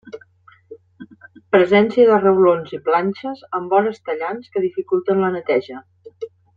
Presència de reblons i planxes amb vores tallants que dificulten la neteja.